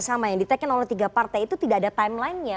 kerja sama yang ditekin oleh tiga partai itu tidak ada timelinenya